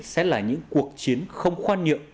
sẽ là những cuộc chiến không khoan nhượng